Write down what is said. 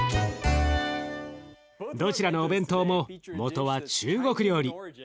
どちらのお弁当ももとは中国料理。